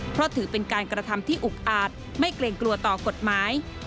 เพราะถือเป็นการกระทำที่อุกอาจไม่เกรงกลัวต่อกฎหมาย